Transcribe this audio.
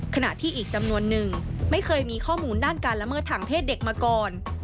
ขณะที่อีกจำนวนหนึ่งไม่เคยมีข้อมูลด้านการละเมิดทางเพศเด็กมาก่อน